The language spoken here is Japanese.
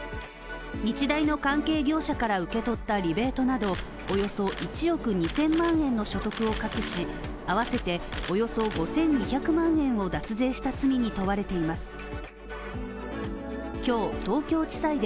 日大の関係業者から受け取ったリベートなどおよそ１億２０００万円の所得を隠し合わせておよそ５２００万円を脱税した罪に問われています。